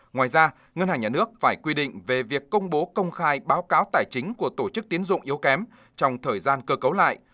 ngoài ra ngân hàng nhà nước phải quy định về việc công bố công khai báo cáo tài chính của tổ chức tiến dụng yếu kém trong thời gian cơ cấu lại